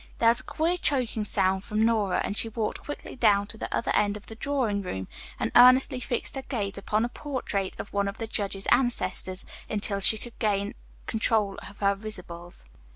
There was a queer choking sound from Nora and she walked quickly down to the other end of the drawing room and earnestly fixed her gaze upon a portrait of one of the judge's ancestors, until she could gain control of her risibles.